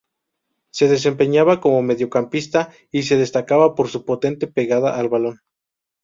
Se desempeñaba como mediocampista y se destacaba por su potente pegada al balón.